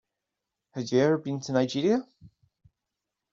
Have you ever been to Nigeria?